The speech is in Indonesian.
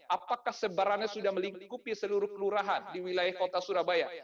apakah sebarannya sudah melingkupi seluruh kelurahan di wilayah kota surabaya